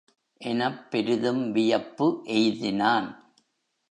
எனப் பெரிதும் வியப்பு எய்தினான்.